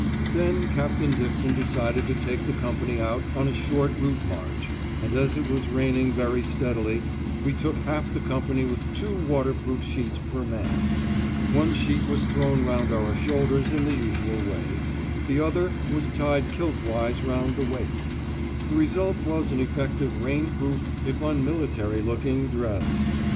Then Captain Dixon decided to take the company out on a short route march, and as it was raining very steadily we took half the company with two waterproof sheets per man. One sheet was thrown round the shoulders in the usual way; the other was tied kilt wise round the waist. The result was an effective rainproof, if unmilitary looking dress!